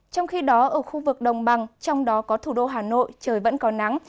trong khi đó ở khu vực đồng bằng trong đó có thủ đô hà nội trời vẫn còn nắng